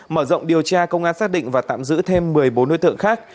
mở rộng điều tra công an xác định và tạm giữ thêm một mươi bốn đối tượng khác